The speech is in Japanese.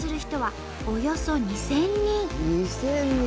２，０００人！